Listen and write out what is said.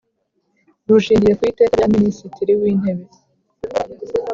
Rushingiye ku Iteka rya Minisitiri w Intebe